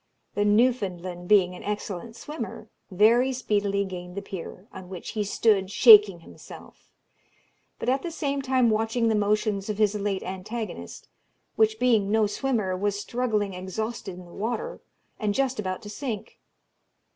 The Newfoundland being an excellent swimmer, very speedily gained the pier, on which he stood shaking himself; but at the same time watching the motions of his late antagonist, which, being no swimmer, was struggling exhausted in the water, and just about to sink.